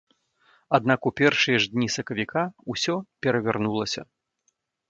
Аднак у першыя ж дні сакавіка ўсё перавярнулася.